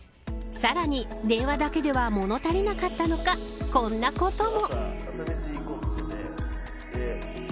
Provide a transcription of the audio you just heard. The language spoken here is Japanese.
さらに電話だけでは物足りなかったのかこんなことも。